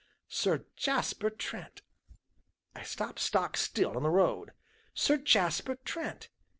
Sir Jasper Trent! I stopped stock still in the road. Sir Jasper Trent!